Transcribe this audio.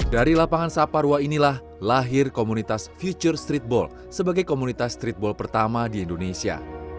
dari lapangan saparwa inilah lahir komunitas future streetball sebagai komunitas streetball pertama di indonesia